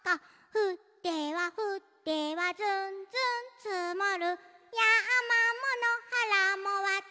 「ふってはふってはずんずんつもる」「やまものはらもわたぼうしかぶり」